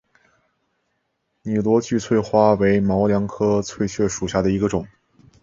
拟螺距翠雀花为毛茛科翠雀属下的一个种。